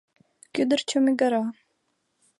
Кӱдырчӧ мӱгыра...